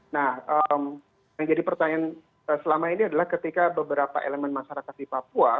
nah yang jadi pertanyaan selama ini adalah ketika beberapa elemen masyarakat di papua